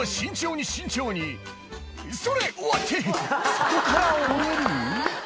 そこから折れる？